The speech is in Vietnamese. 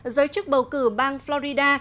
giới chức bầu cử bang florida